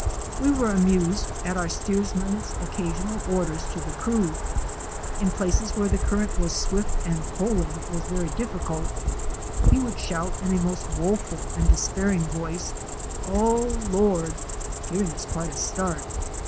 We were amused at our steersman's occasional orders to the crew. In places where the current was swift and poling was very difficult he would shout in a most woful and despair ing voice ""O Lord!"', giving us quite a start.